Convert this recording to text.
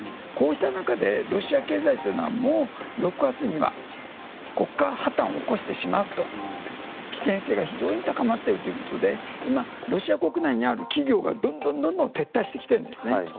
こうした中でロシア経済というのは６月には国家破綻を起こしてしまう危険性が非常に高まっているということで今、ロシア国内にある企業がどんどん撤退してきているんですね。